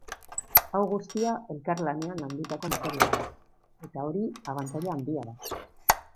Hau guztia elkarlanean landutako materiala da, eta hori abantaila handia da.